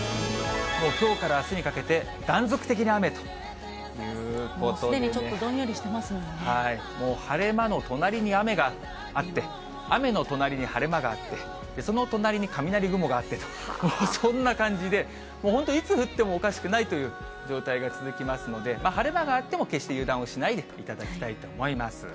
もうきょうからあすにかけて、すでにちょっとどんよりしてもう晴れ間の隣に雨があって、雨の隣に晴れ間があって、その隣に雷雲があってと、もうそんな感じで、本当、いつ降ってもおかしくないという状態が続きますので、晴れ間があっても決して油断をしないでいただきたいと思います。